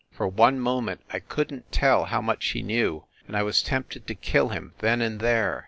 For one moment I couldn t tell how much he knew, and I was tempted to kill him then and there